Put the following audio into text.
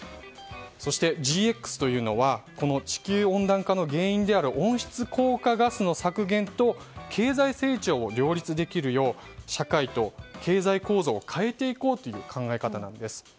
そしてＧＸというのはこの地球温暖化の原因である温室効果ガスの削減と経済成長を両立できるよう社会と経済構造を変えていこうという考え方なんです。